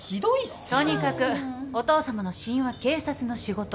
とにかくお父さまの死因は警察の仕事。